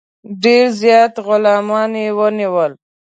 ډېر زیات غلامان ونیول.